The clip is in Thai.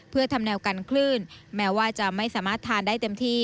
เพื่อทำแนวกันคลื่นแม้ว่าจะไม่สามารถทานได้เต็มที่